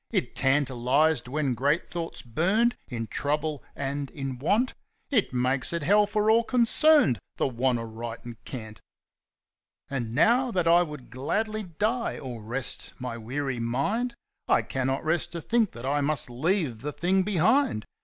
It tantalized when great thoughts burned, in trouble and in want; It makes it hell for all concerned, the Wantaritencant. And now that I would gladly die, or rest my weary mind, I cannot rest to think that I must leave the Thing behind.